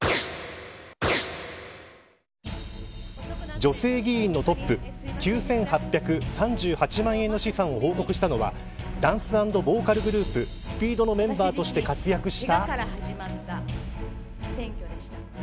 女性議員のトップ９８３８万円の資産を報告したのはダンス＆ボーカルグループＳＰＥＥＤのメンバーとして活躍した。